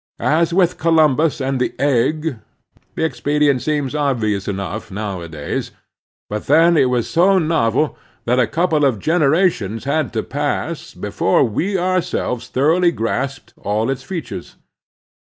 As with Columbus and the egg, the expedient seems obvious enough now adays ; but then it was so novel that a couple of generations had to pass before we oiirselves thor oughly grasped all its features.